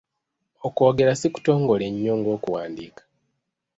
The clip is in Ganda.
Okwogera si kutongole nnyo ng'okuwandiika.